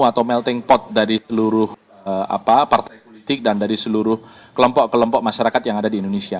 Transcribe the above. atau melting pot dari seluruh partai politik dan dari seluruh kelompok kelompok masyarakat yang ada di indonesia